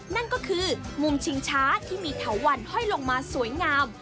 นั่นก็คือมุมชิงช้าที่มีเถาวันห้อยลงมาสวยงาม